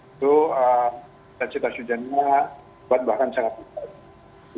itu intensitas hujannya sebat bahkan sangat lebat